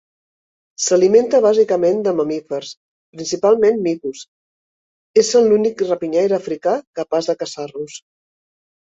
S'alimenta bàsicament de mamífers, principalment micos, essent l'únic rapinyaire africà capaç de caçar-los.